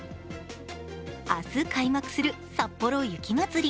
明日開幕するさっぽろ雪まつり。